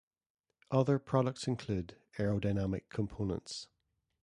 Other products include aerodynamic components.